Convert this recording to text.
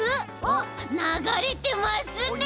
おっながれてますね！